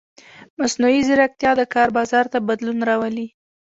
مصنوعي ځیرکتیا د کار بازار ته بدلون راولي.